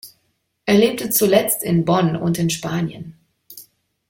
Er lebte zuletzt in Bonn und in Spanien.